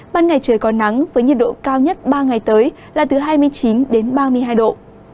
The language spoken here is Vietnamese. ban ngày trời có nắng với nhiệt độ cao nhất ba ngày tới là từ hai mươi chín đến ba mươi hai độ